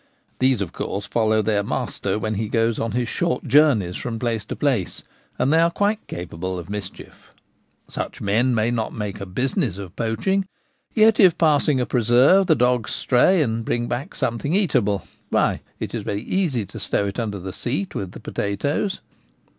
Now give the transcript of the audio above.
These, of course, follow their master when he goes on his short journeys from place to place ; and they are quite capable of mischief. Such men may not make a business of poaching, yet if in passing a preserve the dogs stray and bring back something eatable, why, it is very easy to stow it under the seat with the potatoes.